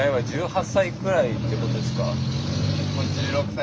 １６歳。